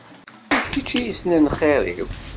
D kečč i yesnen xir-iw.